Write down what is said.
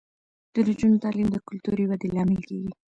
د نجونو تعلیم د کلتوري ودې لامل کیږي.